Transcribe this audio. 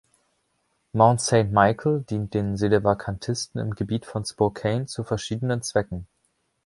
Mount Saint Michael dient den Sedevakantisten im Gebiet von Spokane zu verschiedenen Zwecken.